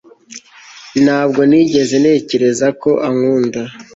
ntabwo nigeze ntekereza ko ankunda